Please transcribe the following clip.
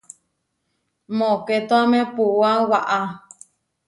Mokétoame puúa waʼá.